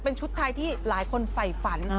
เป็นชุดไทยที่หลายคนไฝฝัน